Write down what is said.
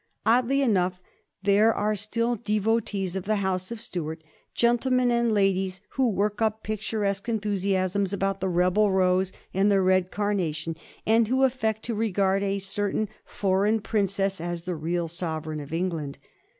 Oddly enough, there are still devotees of the House of Stuart, gentlemen and ladies who work up picturesque enthusiasms about the Rebel Rose and the Bed Carna tion, and who affect to regard a certain foreign princess as the real sovereign of England.